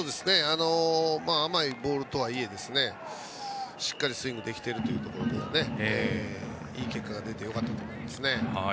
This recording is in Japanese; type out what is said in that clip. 甘いボールとはいえしっかりスイングできているというところでいい結果が出てよかったと思います。